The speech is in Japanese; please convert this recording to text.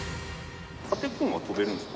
縦コーンは跳べるんですか？